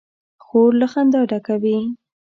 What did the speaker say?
خور له خندا ډکه وي.